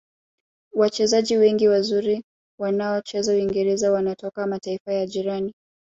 wachezaji wengi wazuri waonaocheza uingereza wanatoka mataifa ya jirani